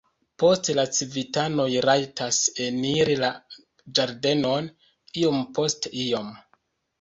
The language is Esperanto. Poste la civitanoj rajtas eniri la ĝardenon iom post iom.